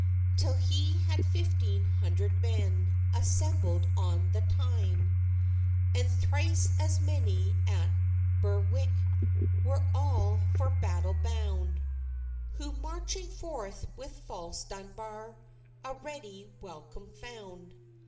Till he had fifteen hundred men Assembled on the Tyne. And thrice as many at Berwicke Were all for battle bound, [Who, marching forth with false Dunbar, A ready welcome found.